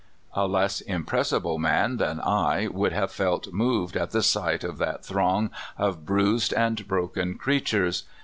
A less impressible man than I would have felt moved at the sight of that throng of bruised and broken creatures.